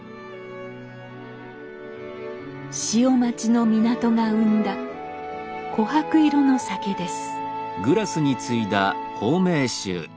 潮待ちの港が生んだこはく色の酒です。